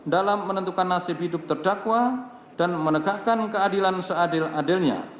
dalam menentukan nasib hidup terdakwa dan menegakkan keadilan seadil adilnya